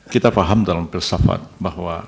kita paham dalam filsafat bahwa